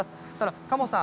加茂さん